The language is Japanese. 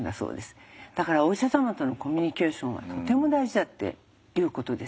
だからお医者様とのコミュニケーションはとても大事だっていうことです。